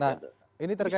nah ini terkait